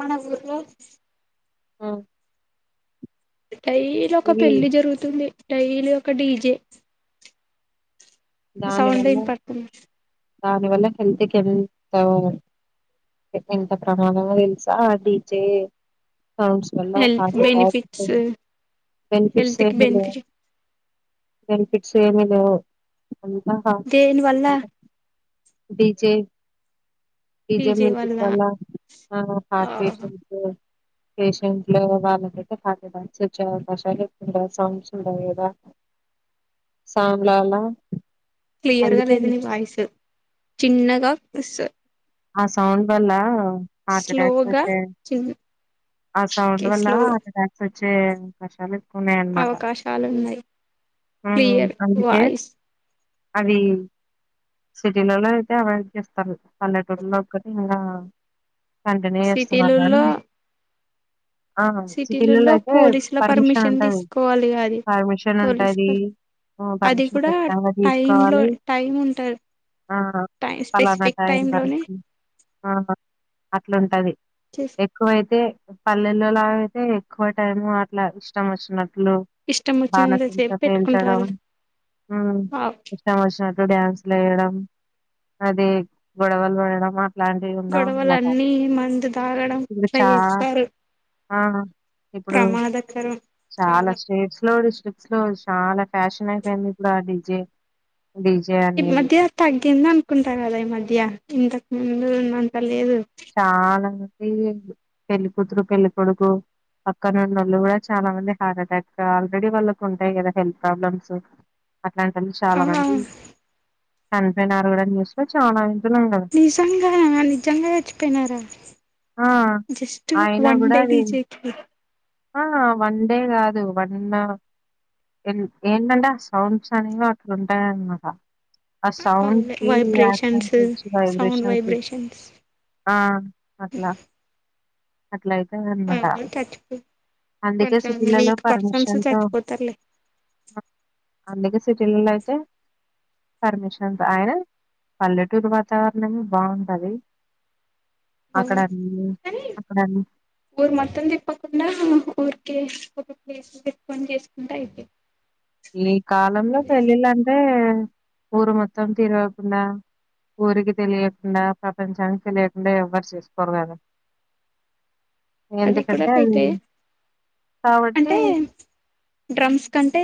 మన ఊర్లో ఆ డైలీ ఒక ఇది పెళ్లి జరుగుతుంది డైలీ ఒక డీజే ఈ దాని సౌండ్ వల్ల ఇనుపడుతుంది దాని వల్ల హెల్త్ కెంత ఎంత ప్రమాదమో తెలుసా ఆ డీజే హమ్స్ వాళ్ళ హెల్త్ హార్ట్ ఎటాక్ బెనిఫిట్స్ ఉం బెనిఫిట్స్ హెల్త్ కి ఏమి లో బెనిఫిట్ బెనిఫిట్స్ ఏమి లో అంత దేని వల్ల అంత హ డిజే డీజే మ్యూజిక్ వల్ల ఆ ఆ హార్ట్ పేషంట్స్ పేషంట్ లు వాళ్ళకైతే హార్ట్ అటాక్స్ వచ్చ వన్ ష సాంగ్స్ ఉంటాయి కదా సాంగ్ లాల క్లియర్ గా లేదు నీ వాయిస్ చిన్నగా వసు ఆ సౌండ్ వల్ల హార్ట్ అటాక్స్ స్లోగా వస్తే చిన్న ఆ సౌండ్ వల్ల స్లో హార్ట్ అటాక్స్ వచ్చు చే ఉన్నాయన్నమాట అవకాశాలు ఉన్నాయి ఉ క్లియర్ అందుకే వాయిస్ అవి సిటీలలో అయితే అవాయిడ్ చేస్తారు అన్నే లోఒక్కటి ఇంకా కంటిన్యూ చేస్తున్నారు గాని సిటీలలో ఆ సిటీలలో అయితే పోలీసుల పర్మిషన్ ఉంటది తీసుకోవాలి అది పర్మిషన్ పోలీస్ ఉంటది ఉ అది పర్మిషన్ కూడా కచ్చితంగా టైమ్ లో తీసుకోవాలి టైం ఉంటారు ఆ టై ఫలానా స్పెసిఫిక్ టైమ్ లోనే వరకు ఆహ అట్లుంటది చేస్ ఎక్కువైతే పల్లెల్లోలాగ అయితే ఎక్కువ టైమ్ అట్లా ఇష్టం వచ్చినట్ లో ఇష్టం బాణా వచ్చినంతసేపు సంచా పేల్చడం పెట్టుకుంటారు ఉ ఆ ఇష్టం వచ్చినట్ డో డ్యాన్సులు వేయడం అది గొడవలు వాడడం మా ఇలాంటివి ఉన్న ఉన్నట గొడవలన్నీ మందు తాగడం ఇట్లా ఉన్నచా చేస్తారు చా ఆహా ప్రమాదకరం చాలా స్టేట్స్ లో డిస్ట్రిక్ట్స్ లో చాలా ఫ్యాషన్ అయిపోయింది ఇప్పుడు ఆ డిజే ఈ మధ్య తగ్గింది అనుకుంట కదా ఈ మధ్య ఇంతకు ముందు ఉన్నంత లేదు చాలా మంది పెళ్లి కూతురు పెళ్లి కొడుకు పక్క నున్నోళ్లు కూడా చాలా మంది హార్ట్ అటాక్ ఆల్రెడీ వాళ్ళకు ఉంటాయి కదా హెల్త్ ప్రాబ్లమ్స్ అట్లాంటోళ్లు ఆ చాలా మంది చనిపోయినారు కూడ న్యూస్ లో చాలా ఇన్ నిజంగా అ నిజంగా ఏ చచ్చిపోయినారా ఆ జస్ట్ అయినా వన్ కూడా డే అది డీజే కి ఆ వన్డే కాదు వన్ ఎన్ ఏంది అంట సౌండ్స్ అనేవి అట్లా ఉంటాయన్నమాట ఆ సౌండ్కి వైబ్రేషన్స్ [unintelligible] ఈ సౌండ్ వైబ్రేషన్ వైబ్రేషన్స్ ఆ అట్లా ఇట్లా అయితే అనమాట చచ్చిపో అందుకే కొంచెం సిటీలలో వీక్ పర్సన్స్ పర్మిషన్ తో చచ్చిపోతారులే అందుకే సిటీలలో అయితే పర్మిషన్స్ ఆయన పల్లెటూరు వాతావరణంే బాగుంటది అక్కడండి కానీ అక్కడన్న న్న ఊరికే ఒక ప్లేస్ పె పని చేసుకుంటా అయితే ఈ కాలంలో పెళ్ళిళ్ళంటే ఊరు మొత్తం తీరగా కుండా ఊరికి తెలియకుండా ప్రపంచానికి తెలియకుండా ఎవ్వరు చేసుకోరు కదా అది కూడాడా ఎందుకంటే పెైట అది అంటే కాబట్టి డ్రమ్స్ కంటే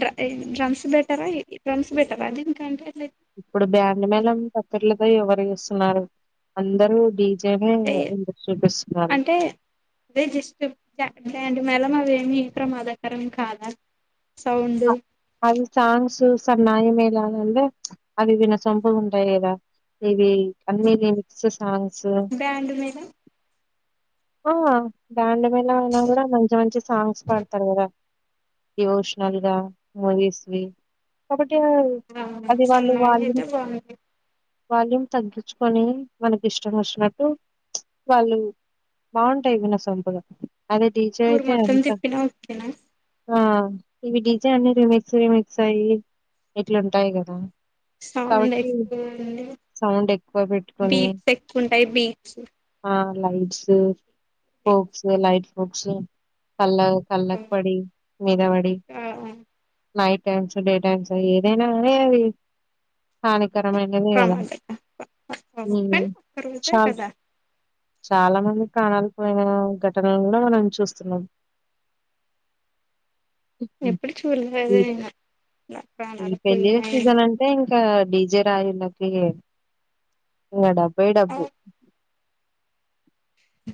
డ డ్రమ్స్ బెటర్ డ్రమ్స్ బెటర్ అదిన్కాంటే ఇప్పుడు బ్యాండ్ మేళ పత్రర్లతో ఎవరు ఇస్తున్నారు అందరుూ డి చె అంటే రజిస్ [inaudible] మెలమ వేమ ఏత్ర మాదాకరం కాద అవి సాంగ్స్ సన్నాయం మేలాలే అవి విన్న సంొపులు ఉంటాయి కదా ఇవి అన్నని లిరిక్స్ సాంగ్స్ బ్యాండ్ మేళం ఆ బ్యాండ్ మీలా అయిన్నా కూడా మంచి మంచి సాంగ్స్ పాడతారు కదా ఇమోషనల్ గా మస్వి ఆ సన్నైతే బాగు వాల్యూం తగ్గించుకొని మనకి ఇష్టం వచ్చినట్టు వాళ్ళు బాగుంటాయి వినసొపుగా అదే డీజె ఊరు అయితే మొత్తం ఎంత తిప్పినా ఓకేనా ఆ ఇవి డిజైన్ రిమిక్స్ రిమిక్స్ అయ్య ఇట్లాంటాయి కదా సౌండ్ కాబట్టి లేకుండా సౌండ్ ఎక్కువ పెట్టుకొని ఉంటాయి ఆ ైట్స్ ఫక్స్ లైట్ ఫక్స్ కల్ల కళ్లక్ బీట్స్ వడి మీదవడి నైట్ టైమ్స్ డే టైమ్స్ ఏదైనా అ అది కా గరమ అైనది కదా ప్రమాదం కానీ ఒక్క చ రోజే కదా చాలా మంది ప్రాణాలు పోయిన ఘటనలో మనం చూస్తున్నాం హ్మ్. ఎప్పుడు చూడలేదు ఈ నేను అట్లా ఈ ప్రాణాలు పెళ్ళ పోయినాయి సీజన్ అంటే ఇంకా డీజే రాయిల డీజే ఇక డబ్బాయి డబ్బు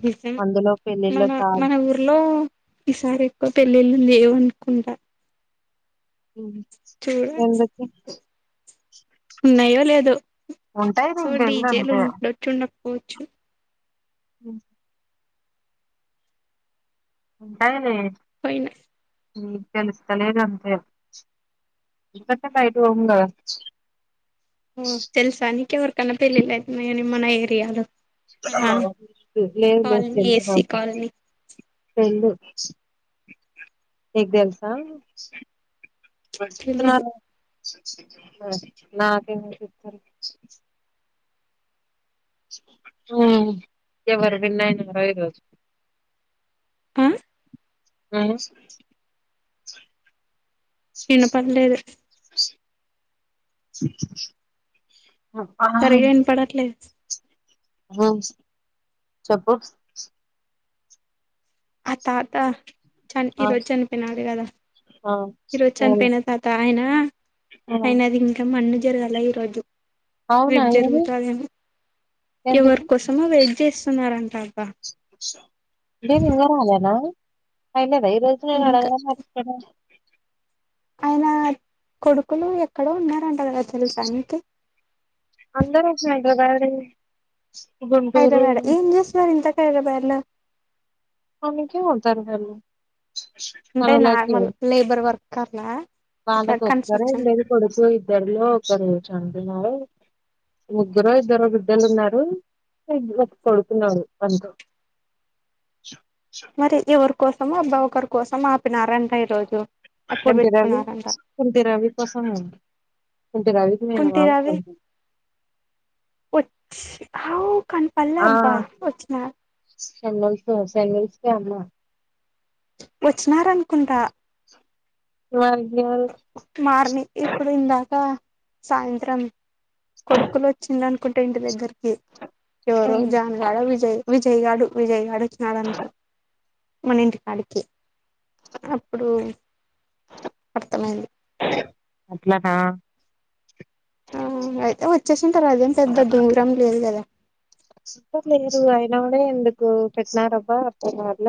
నిజం అందులో పెళ్ళిళ్ళ మన తాగి మన ఊర్లో ఈసారి ఎక్కువ పెళ్ళిళ్ళు లేవు అనుకుంట కుండా ఎంతకే [inaudible] ఉన్నాయో లేదో ఉంటాయి సో నీకు తెల్దు డీజేలు అంతే ఉండొచ్చు ఉండకపోవచ్చు ఉ [inaudible] ంటగ [inaudible] పోయినా మీకు తెలుస్తలేదు అంతే ఇంకంటే బయట పో కదా ఓ తెల్సా నీకు ఎవరికైనా పెళ్ళి అవుతున్నాయి మన ఏరియాలో మన లే [inaudible] కాలనీ ఎస్సీ కాలనీ ఫ్రెండ్ మీకు తెల్సా తెలీదు [inaudible] నాక [inaudible] ఎవరూ విన్ అయినారా ఈ రోజు ఆ ఆ [inaudible] వినపడలేదు సచ్చా [inaudible] సరిగా వినపడట్లేదు బుక్స్ చెప్పు ఆ తాత చని ఆ ఈరోజు చనిపినడు కదా ఆ ఈ రోజు చనిపోయిన తాత ఆయన ఆయన ది ఇంకా మన్ను జరగాల ఈ రోజు అవునా రేపు ఏమి జరుగుతందెమో ఎవరి కోసమో వెట్ చేస్తున్నారంటారు ఇదే నింగరాలనా అయినద తెలుసులే ఇంకా మేడం [unintelligible] ఆయన కొడుకులు ఎక్కడో ఉన్నారం చాల చలు తెలుసా ఆయనకి [unintelligible] గుంటూరు హైదరాబాదె ఏం చేస్తున్నారు ఇంతకి హైదరాబాద్లో పనికె పోతారు గా వాళ్లు అంటే నార్మల్ లేబర్ వర్క అట్లా వాళ్ళకి ఒక్కరే ఉ లేదు కొడుకు ఇద్దరులో ఒకరు అంటుచారు ముగ్గుర ఇద్దరు బిడ్డలు ఉన్నారు ఒక కొడుతున్నాడు అంతె [inaudible] మరి ఎవరి కోసమ అబ్బా ఒకరి కోసం ఆపినారంట ఈ రోజు కుంటి రవి కుంత రవి కోసము కుంటి రవికి నేను కుంటి మామావరుస అవుతాను వచ్చ కౌ కనిపలా అబ్బా వచ్చిన సండ్ల్స్ సండ్విల్స్ ప అమ్న్నా వచ్చినారనుకుంటా వగ [unintelligible] మార్ని ఇప్పుడు ఇందాక సాయంత్రం కొడుకులు వచ్చింది అనుకుంటే ఇంటి దగ్గరికి ఎవరో జాన్గాడ విజయ్ విజయ్ గాడు విజయగాడచ్చినడ అనుకో మన ఇంటి కాడికి అప్పుడు అర్థమైంది అట్లనా ఆ అయితే వచ్చేసుంటారు అదేం పెద్ద దూరం లేదు కదా అ లేరు అయినప్పుడే ఎందుకు పెట్టినార అబ్బా అ వాళ్ళ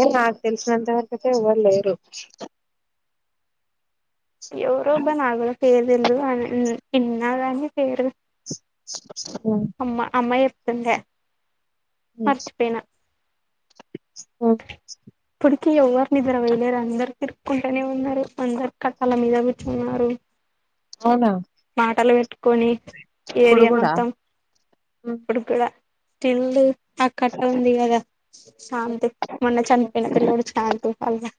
ఏ నాకు తెలిసినంత వరకైతే ఎవ్వరులేరు ఎవరొబ్బా నాగుడా పేరుటేల్డు ఇన్నగాని పేరు అమ్మా అమ్మా జెప్తూందే మర్చిపేయినా ఊ పుడుకి ఓవర్ నిదురా ఓవెళ్లారు అందరు తిరుక్కుంటూనే ఉన్నారు అందరు కట్టాల మీద కూర్చుకున్నారు అవునా మాటలు పెట్టుకొని ఇప్పుడు ఏరియా కూడా మొత్తం ఇప్పుడు కూడా స్టిల్ది తాక్కట్ ఉంది కదా శాంతి మొన్న చని పిల్లోడొచ్చి కల్పపానలా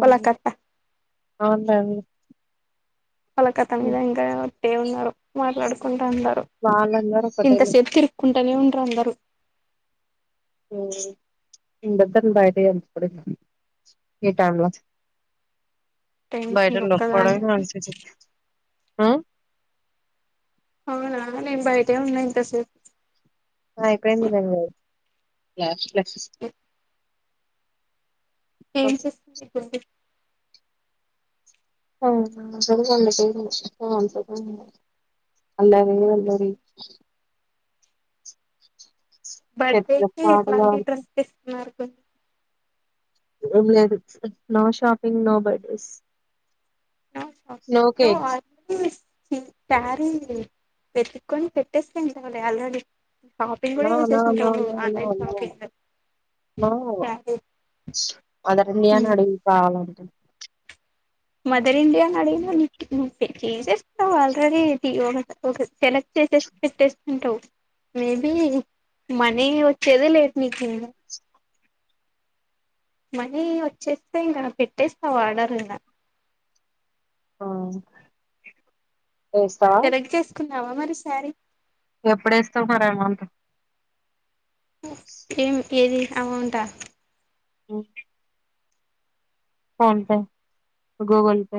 పోలాకట్ట అవునండి వాళ్ళ కతని మీద హ్మ్. ఇంకా వట్టే ఉన్నారు మాట్లాడుకుంటూ ఉండారు వాళ్ళందరూ ఒకటే ఇంతసేపు తిరుక్కుంటనే ఉండ్రు అందరూ ఓ ఇద్దా బయట అకోడ ఏ టైమ్లా ట్రైన్ బయిట నేను లోపడ ఒక్కదాన్ని [unintelligible] అవునా నేను బయటే ఉన్నా ఇంతసేపు అయిపోయింది లేవో లాస్ట్ ప్లేసెస్ ఏం చేస్తుందిఫుడ్డు [unintelligible] అల్లరే అల్లరి బర్డే చర్చిలో కి పాటలు ఇట్లాంటి పాడుతూ డ్రెస్ తీస్తున్నారు కొన్ని ఏం లేదు no shopping no birthdays no cakes ఈ సారీ వెతుక్కొని పెట్టేసింటవ్ లే ఆల్రెడీ షాపింగ్ నో కూడా నో నో చేసేసింటావు no no online no shopping no sari mother India ను అడుగు కావాలంటే మదర్ ఇండియాని అడిగిన నువ్ చేసేస్తావ్ ఆల్రెడీ సెలట్ చేసేసి పెట్టేసింటావు మేబి మనీ వచ్చేది లేట్ నీకి [unintelligible] మనీ వచ్చేస్తే ఇంకా పెట్టేస్తావు ఆర్డర్లు ఇంగ ఆ వేస్తావా నావా మరి సారీ ఎప్పుడేస్తావ్ మరి అమౌంట్ ఏం ఏది అమౌంటా um PhonePe Google Pay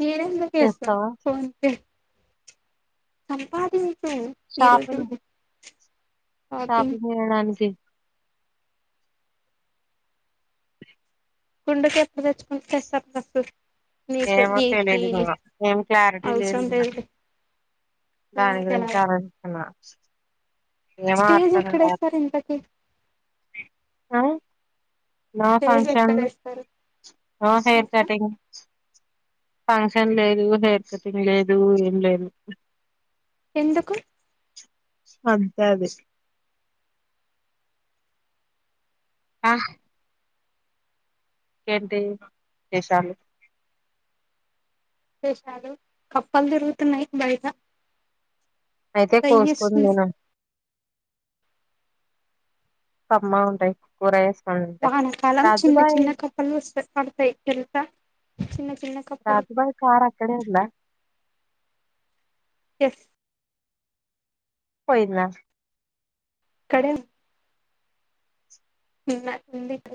నేను ఎందుకు వేస్తా చేస్తావా ఫోన్ పే సంపాదించు ఈరోజు షాపింగ్ షాపింగ్ చేయడానికి కుండకప్పులు తెచ్చుకుంట [unintelligible] ఏమో తలీదు ఇంగా ఏం క్లారిటీ లేదు ఇంగ దాని ఏమో గురించి తెలవదు ఆలోచిస్తున్నా ఏమో స్టేజ్ అర్థం కావట్లే ఎక్కడేస్తారు ఇంతకి ఆ నో స్టేజ్ ఫంక్షన్ ఎక్కడేస్తారు నో హెయిర్ తెలుసా కటింగ్ ఫంక్షన్ లేదు హెయిర్ కటింగ్ లేదు ఏం లేదు ఎందుకు అంతే అది ఆహ్ ఇంకేంటి విషాలు విషాలు కప్పలు తిరుగుతున్నాయి బయట అయితే కోసుకునీ దయ్యేస్తుంది తిను కమ్మగా ఉంటాయి కూర తింటే వానకాలం చిన్న రాజుబాయ్ చిన్న కప్పలు వస్తా పడతాయి తెలుసా చిన్న చిన్న కప్పలు ఇక్కడే ఉందా ఎస్ పోయిందా కడిగిన తిన్న కింద ఇప్పుడే